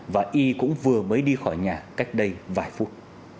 và y cũng vừa mới đi khỏi nhà cách đây vài phút